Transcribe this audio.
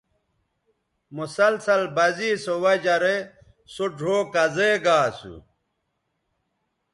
مسلسل بزے سو وجہ رے سو ڙھؤ کزے گا اسو